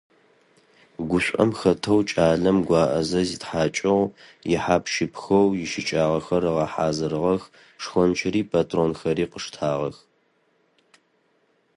Гушӏом хэтэу кӏалэм гуӏэзэ зитхьакӏыгъ, ихьап-щыпыхэу ищыкӏагъэхэр ыгъэхьазырыгъэх, шхончыри патронхэри къыштагъэх.